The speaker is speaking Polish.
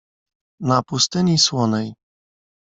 "Na pustyni słonej."